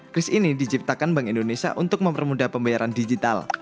kris ini diciptakan bank indonesia untuk mempermudah pembayaran digital